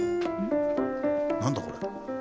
何だこれ？